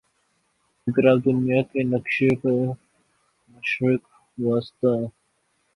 اگر آپ دنیا کے نقشے پر مشرق وسطیٰ